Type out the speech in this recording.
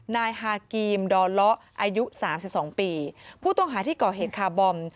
นายฮากีมดอเลาะอายุสามสิบสองปีผู้ต้องหาที่ก่อเหตุคาร์บอม